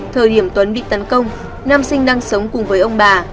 thời điểm tuấn bị tấn công nam sinh đang sống cùng với ông bà